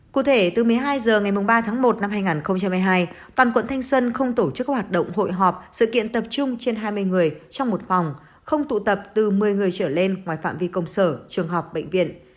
cụ thể từ một mươi hai h ngày ba tháng một năm hai nghìn hai mươi hai toàn quận thanh xuân không tổ chức hoạt động hội họp sự kiện tập trung trên hai mươi người trong một phòng không tụ tập từ một mươi người trở lên ngoài phạm vi công sở trường học bệnh viện